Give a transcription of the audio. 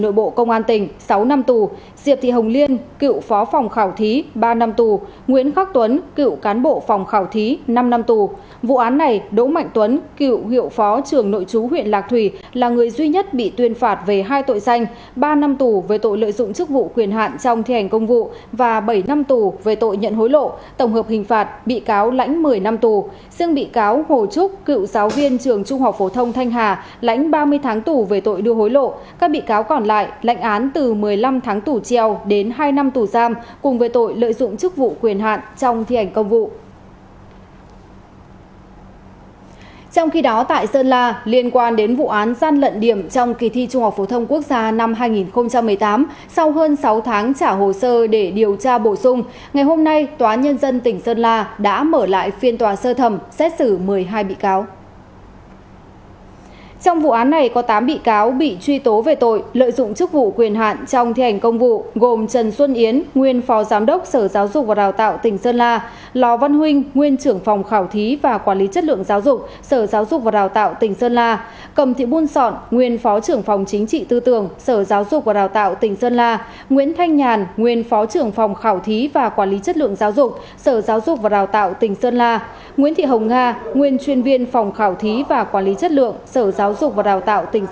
trong vụ án này có tám bị cáo bị truy tố về tội lợi dụng chức vụ quyền hạn trong thi hành công vụ gồm trần xuân yến nguyên phó giám đốc sở giáo dục và đào tạo tỉnh sơn la lò văn huynh nguyên trưởng phòng khảo thí và quản lý chất lượng giáo dục sở giáo dục và đào tạo tỉnh sơn la cầm thị buôn sọn nguyên phó trưởng phòng chính trị tư tưởng sở giáo dục và đào tạo tỉnh sơn la nguyễn thanh nhàn nguyên phó trưởng phòng khảo thí và quản lý chất lượng giáo dục sở giáo dục và đào tạo tỉnh s